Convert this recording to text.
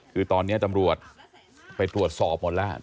คือตอนนี้ตำรวจไปตรวจสอบหมดแล้ว